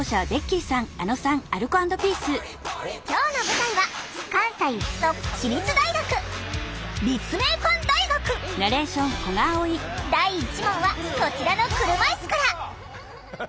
今日の舞台は関西の私立大学はこちらの車いすから！